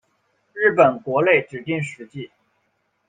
日本国内指定史迹。